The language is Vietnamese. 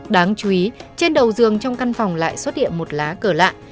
đáng chú ý trên đầu dường trong căn phòng lại xuất hiện một lá cờ lạ